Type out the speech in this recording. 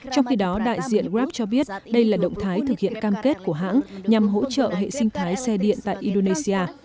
trong khi đó đại diện grab cho biết đây là động thái thực hiện cam kết của hãng nhằm hỗ trợ hệ sinh thái xe điện tại indonesia